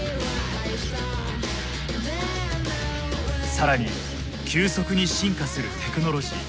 更に急速に進化するテクノロジー。